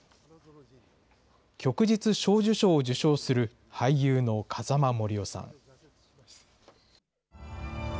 旭日小綬章を受章する俳優の風間杜夫さん。